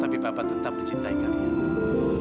tapi bapak tetap mencintai kalian